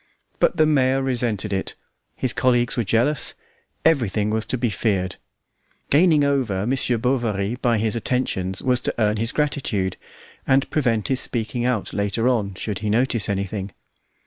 But the mayor resented it, his colleagues were jealous, everything was to be feared; gaining over Monsieur Bovary by his attentions was to earn his gratitude, and prevent his speaking out later on, should he notice anything.